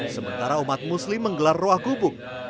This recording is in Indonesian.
sementara umat muslim menggelar roa kubuk